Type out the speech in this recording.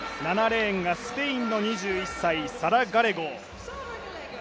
７レーンがスペインの２１歳サラ・ガレゴ。